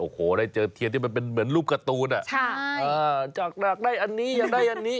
โอ้โหได้เจอเทียนที่มันเป็นเหมือนรูปการ์ตูนจากหนักได้อันนี้อยากได้อันนี้